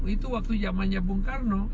itu waktu zamannya bung karno